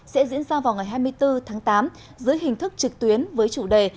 sẽ diễn ra vào ngày hai mươi bốn tháng tám dưới hình thức trực tuyến với chủ đề